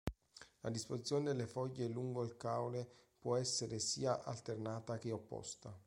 La disposizione delle foglie lungo il caule può essere sia alternata che opposta.